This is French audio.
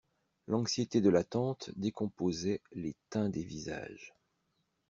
L'anxiété de l'attente décomposait les teints des visages.